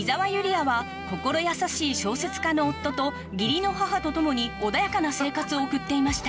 あは心優しい小説家の夫と義理の母とともに穏やかな生活を送っていました。